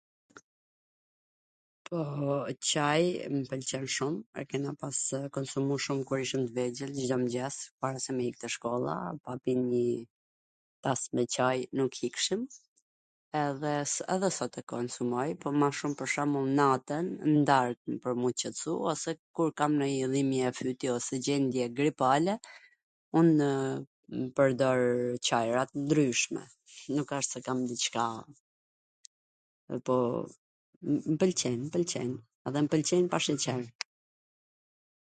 Po, Caj, mw pwlqen shum, e kena pasw konsumu shum kur ishim t vegjwl, Cdo mgjes, para se me ik te shkolla, pa pi nji tas me Caj nuk ikshim, edhe ... edhe sot e konsumoj, po ma shum pwr shwmbull natwn n dark pwr m u qetsu, ose kur kam ndonjw dhimje fyti ose gjendje gripale, unw pwrdor Cajra tw ndryshme, nuk asht se kam diCka, po m pwlqen, m pwlqen, dhe m pwlqen pa sheqer.